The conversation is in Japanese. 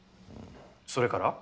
それから？